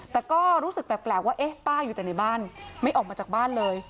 แต่ก็รู้สึกแปลกว่าเอ๊ะป้าอยู่แต่ในบ้านไม่ออกมาจากบ้านเลย